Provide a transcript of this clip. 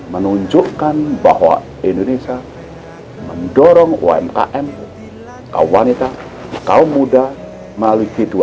menunjukkan bahwa indonesia mendorong umkm kaum wanita kaum muda melalui g dua puluh